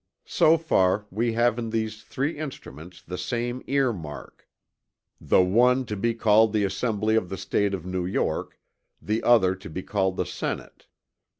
So far we have in these three instruments the same earmark: "the one to be called the Assembly of the State of New York; the other to be called the Senate."